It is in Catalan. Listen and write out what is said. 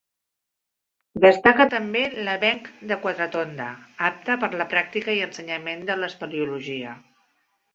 Destaca també l'Avenc de Quatretonda, apte per a la pràctica i ensenyament de l'espeleologia.